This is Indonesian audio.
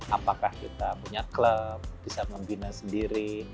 apakah kita punya klub bisa membina sendiri